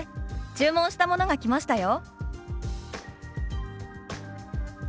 注文したものが来ましたよ」。